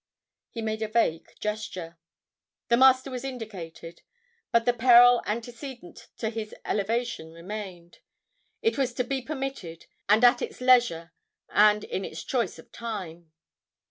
He made a vague gesture. "The Master was indicated—but the peril antecedent to his elevation remained.... It was to be permitted, and at its leisure and in its choice of time."